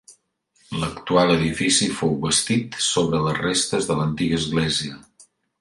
L'actual edifici fou bastit sobre les restes de l'antiga església.